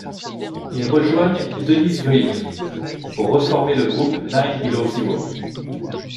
Ils rejoignent Dennis Greaves pour reformer le groupe Nine Below Zero.